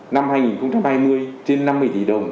năm hai nghìn hai mươi trên năm mươi tỷ đồng